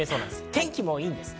天気もいいんです。